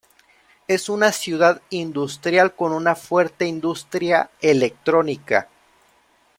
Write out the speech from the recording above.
Es una ciudad industrial con una fuerte industria electrónica.